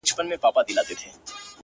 له څه مودې راهيسي داسـي يـمـه!